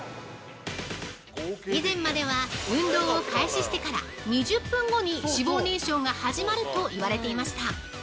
◆以前までは、運動を開始してから２０分後に脂肪燃焼が始まると言われていました。